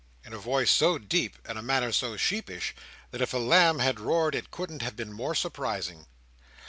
in a voice so deep, and a manner so sheepish, that if a lamb had roared it couldn't have been more surprising.